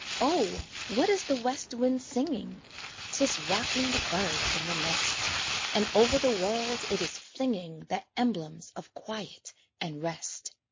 O! what is the west wind singing? 'Tis rocking the birds in the nest, And over the world it is flinging The emblems of quiet and rest.